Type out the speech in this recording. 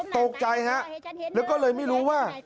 ตกใจฮะแล้วก็เลยไม่รู้ว่า